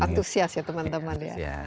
antusias ya teman teman ya